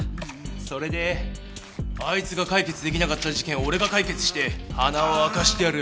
それで「あいつが解決できなかった事件を俺が解決して鼻を明かしてやる。